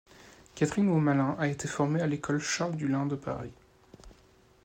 Catherine Hosmalin a été formée à l'école Charles Dullin de Paris.